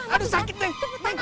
aduh sakit neng